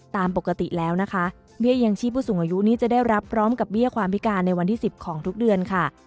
ตามปกติแล้วนะคะเบี้ยยังชีพผู้สูงอายุนี้จะได้รับพร้อมกับเบี้ยความพิการในวันที่๑๐ของทุกเดือนค่ะ